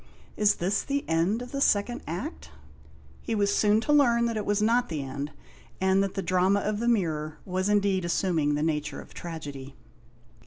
" Is this the end of the second Act ?" He was soon to learn that it was not the end, and that the drama of the mirror was indeed assuming the nature of tragedy.